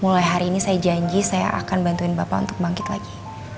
mulai hari ini saya janji saya akan bantuin bapak untuk bangkit lagi